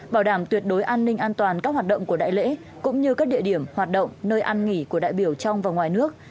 bảo đảm tuyệt đối an ninh an toàn các hoạt động của đại lễ cũng như các địa điểm hoạt động nơi ăn nghỉ của đại biểu trong và ngoài nước